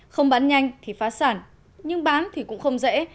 không bán nhanh thì phá sản nhưng bán thì cũng không dễ